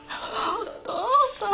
お父さん。